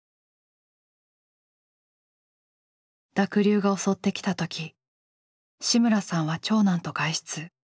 濁流が襲ってきた時志村さんは長男と外出。